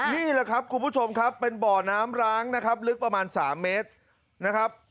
นี่แหละครับคุณผู้ชมครับเป็นบ่อน้ำร้างนะครับลึกประมาณ๓เมตรนะครับ